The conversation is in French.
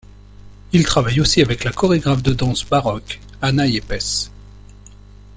Il travaille aussi avec la chorégraphe de danse baroque Ana Yepes.